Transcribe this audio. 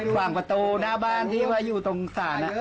ขวางประตูหน้าบ้านที่ว่าอยู่ตรงศาล